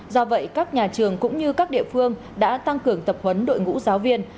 do vậy các nhà trường cũng như các địa phương đã tăng cường tập huấn đội ngũ giáo viên